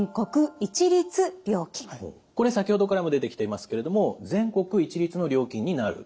これ先ほどからも出てきていますけれども全国一律の料金になる。